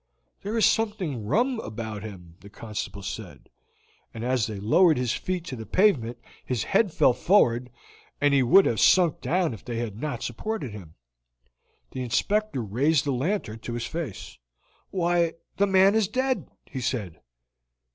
"There is something rum about him," the constable said; and as they lowered his feet to the pavement his head fell forward, and he would have sunk down if they had not supported him. The Inspector raised the lantern to his face. "Why, the man is dead," he said.